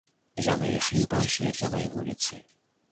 Але яны ішлі па асветленай вуліцы.